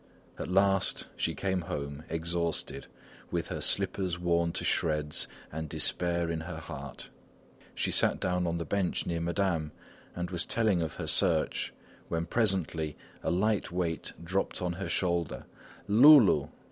At last she came home, exhausted, with her slippers worn to shreds, and despair in her heart. She sat down on the bench near Madame and was telling of her search when presently a light weight dropped on her shoulder Loulou!